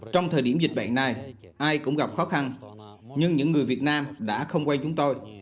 trong thời điểm dịch bệnh này ai cũng gặp khó khăn nhưng những người việt nam đã không quay chúng tôi